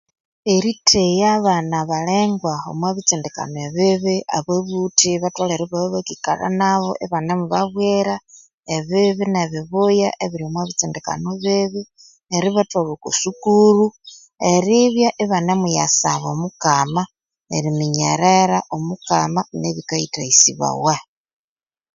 Eritheya abana abalengwa omwa bitsindikano ebibi ababuthi batholere ibabya bakikalha nabo ibanemubabwira ebibi ne bibuya ebiri omwa bitsindikano bibi neri bathwalha ko sukuru eribya ibanemuyasaba omukama eriminyerera omukama nebikayithayisibawa